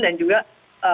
dan juga memastikan